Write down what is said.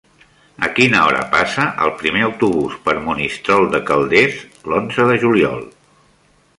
A quina hora passa el primer autobús per Monistrol de Calders l'onze de juliol?